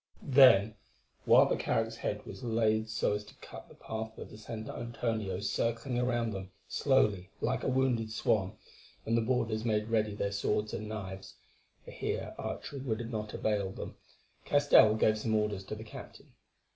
Then, while the carack's head was laid so as to cut the path of the San Antonio circling round them slowly like a wounded swan, and the boarders made ready their swords and knives, for here archery would not avail them, Castell gave some orders to the captain.